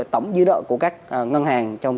tổng dư đợi của các ngân hàng